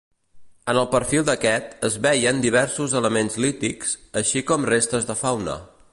En el perfil d'aquest es veien diversos elements lítics, així com restes de fauna.